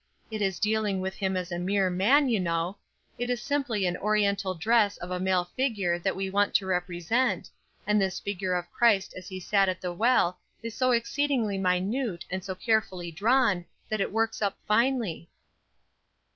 It is dealing with him as a mere man, you know. It is simply an Oriental dress of a male figure that we want to represent, and this figure of Christ as he sat at the well is so exceedingly minute and so carefully drawn that it works up finely."